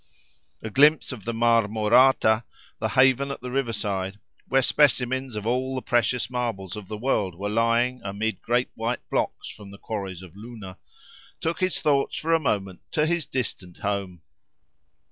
A glimpse of the Marmorata, the haven at the river side, where specimens of all the precious marbles of the world were lying amid great white blocks from the quarries of Luna, took his thoughts for a moment to his distant home.